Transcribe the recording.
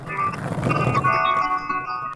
তারা দখলদারের বিরুদ্ধে ব্যবস্থা নিচ্ছে না কেন?